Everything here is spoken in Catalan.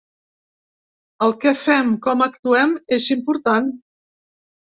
El que fem, com actuem, és important.